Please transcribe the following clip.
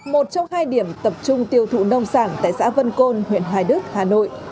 một trong hai điểm tập trung tiêu thụ nông sản tại xã vân côn huyện hoài đức hà nội